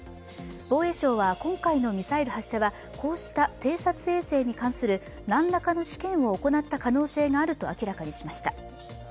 防衛省は今回のミサイル発射はこうした偵察衛星に関する何らかの試験を行った可能性があると明らかにしました。